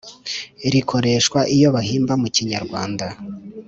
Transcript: rikoreshwa iyo bahimba mu kinyarwanda